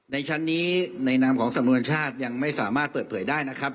ในชั้นนี้ในนามของสำนวนชาติยังไม่สามารถเปิดเผยได้นะครับ